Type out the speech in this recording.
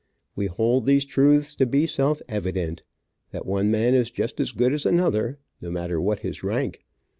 'We hold these truths to be self evident,' that one man is just as good as another, no matter what his rank.